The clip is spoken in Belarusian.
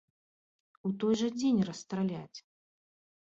У той жа дзень расстраляць!